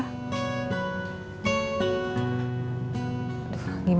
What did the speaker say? makan siang di luar